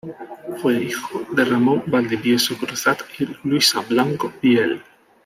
Fue hijo de Ramón Valdivieso Cruzat y Luisa Blanco Viel.